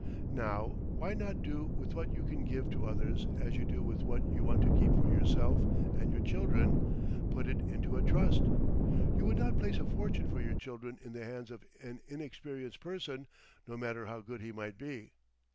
Now, why not do with what you can give to others as you do with what you want to keep for yourself and your children: Put it into a Trust? You would not place a fortune for your children in the hands of an inexperienced person, no matter how good he might be.